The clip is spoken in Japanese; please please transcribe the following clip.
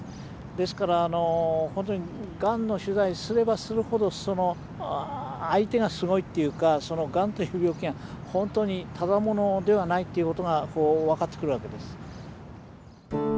ですからがんの取材をすればするほど相手がすごいというかがんという病気が本当にただ者ではないということが分かってくるわけです。